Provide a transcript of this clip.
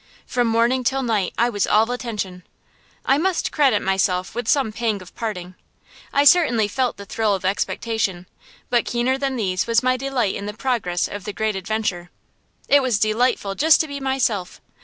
From morning till night I was all attention. I must credit myself with some pang of parting; I certainly felt the thrill of expectation; but keener than these was my delight in the progress of the great adventure. It was delightful just to be myself.